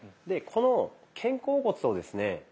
でこの肩甲骨をですね